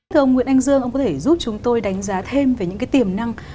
thưa ông nguyễn anh dương ông có thể giúp chúng tôi đánh giá thêm về những cái tiềm năng